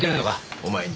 お前に。